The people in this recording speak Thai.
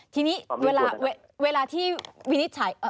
ทีนี้เวลาที่วินิษฎ์ใช้